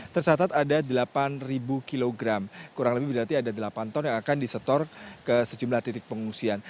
tersatat ada delapan kilogram kurang lebih berarti ada delapan ton yang akan disetor ke sejumlah titik pengungsian